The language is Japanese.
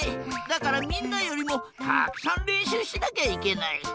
だからみんなよりもたくさんれんしゅうしなきゃいけない。